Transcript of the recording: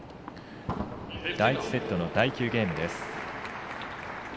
第１セットの第９ゲーム。